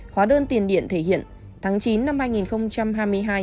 hóa đơn tiền điện thể hiện tháng chín năm hai nghìn hai mươi hai